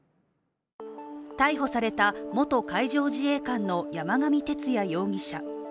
逮捕された元海上自衛官の山上徹也容疑者。